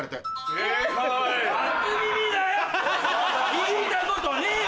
聴いたことねえよ